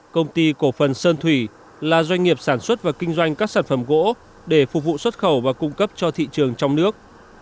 công ty cổ phần sơn thủy là doanh nghiệp sản xuất và kinh doanh các sản phẩm gỗ để phục vụ xuất khẩu và cung cấp cho thị trường trong nước